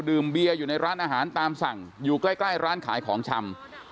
เบียร์อยู่ในร้านอาหารตามสั่งอยู่ใกล้ร้านขายของชำ